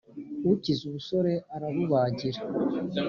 Ukize ubusore arabubagira.